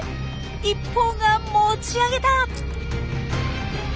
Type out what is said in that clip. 一方が持ち上げた！